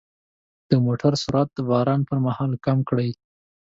د موټر سرعت د باران پر مهال کم کړئ.